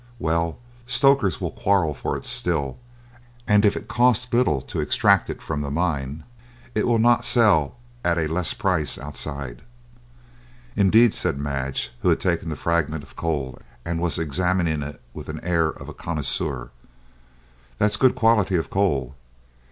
Well, stokers will quarrel for it still, and if it costs little to extract it from the mine, it will not sell at a less price outside." "Indeed," said Madge, who had taken the fragment of coal and was examining it with the air of a connoisseur; "that's good quality of coal.